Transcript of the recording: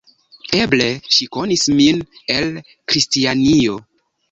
Eble ŝi konis min el Kristianio.